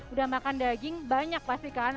udah makan daging banyak pasti kan